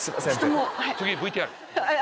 次ＶＴＲ？